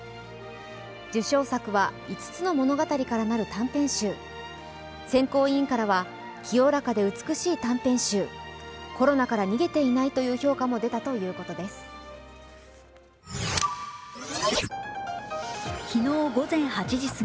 受賞作は５つの物語からなる短編集選考委員からは、清らかで美しい短編集、コロナから逃げていないという評価も出たということです。